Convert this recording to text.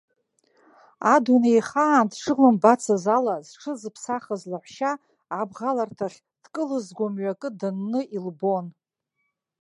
Адунеихаан дшылымбацыз ала зҽызыԥсахыз лаҳәшьа, абӷаларҭахь дкылызго мҩакы данны илбон.